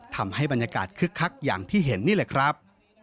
ทำให้บรรยากาศคึกคักอย่างที่เห็นนี่แหละครับ